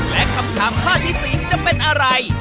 และคำถามปล้าที่สี่จะเป็นอะไร